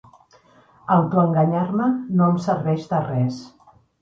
Autoenganyar-me no em serveix de res.